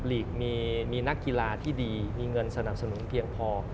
ลีกมีนักกีฬาที่ดีมีเงินสนับสนุนเพียงพอ